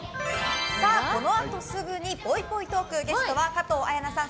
このあとすぐに、ぽいぽいトークゲストは加藤綾菜さん